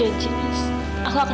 aku akan membantu kamu